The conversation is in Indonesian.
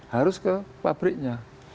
harus ke pabriknya